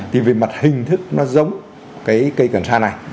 thì về mặt hình thức nó giống cái cây cần sa này